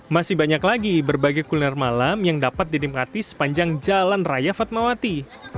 masih banyak lagi berbagai kuliner malam yang dapat dinikmati sepanjang jalan raya fatmawati